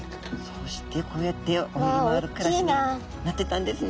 そうしてこうやって泳ぎ回る暮らしになってったんですね。